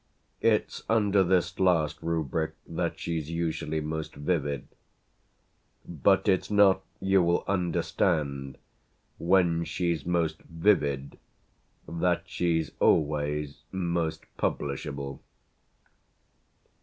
It's under this last rubric that she's usually most vivid. But it's not, you will understand, when she's most vivid that she's always most publish able.